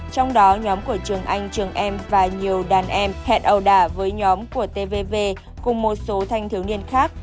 trong đó nhóm của trường anh trường em và nhiều đàn em hẹn ẩu đả với nhóm của tv cùng một số thanh thiếu niên khác